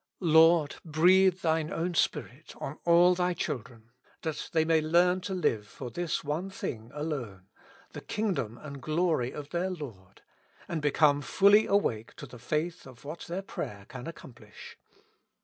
Lord, breathe Thine own Spirit on all Thy children, that they may learn to live for this one thing alone — the Kingdom and glory of their Lord — and become fully awake to the faith of what their prayer can accomplish.